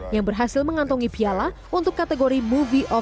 yang berhasil mengantongi piala untuk kategori movie of dua ribu delapan belas